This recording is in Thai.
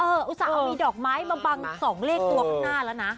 อุตส่าห์เอามีดอกไม้มาบัง๒เลขตัวข้างหน้าแล้วนะ